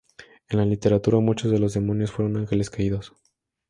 En la literatura muchos de los demonios fueron ángeles caídos.